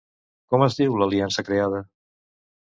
Com es diu l'aliança creada?